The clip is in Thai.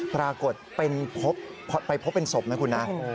ปรากฏไปพบเป็นศพไหมคุณนะ